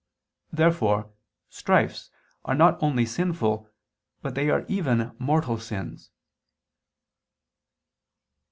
Therefore strifes are not only sinful, but they are even mortal sins.